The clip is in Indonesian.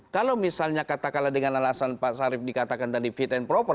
kalau misalnya katakanlah dengan alasan pak sarif dikatakan tadi fit and proper